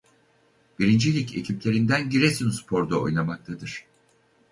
Birinci Lig ekiplerinden Giresunspor'da oynamaktadır.